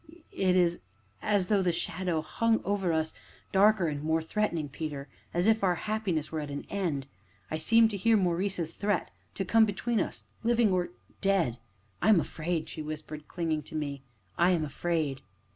"It is as though the shadow hung over us darker and more threatening, Peter; as if our happiness were at an end; I seem to hear Maurice's threat to come between us living or dead. I am afraid!" she whispered, clinging to me, "I am afraid!"